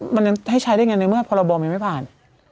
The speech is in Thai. มันยังให้ใช้ได้ยังไงเนี่ยเมื่อพรบลยังไม่ผ่าน